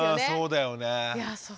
そうだよね。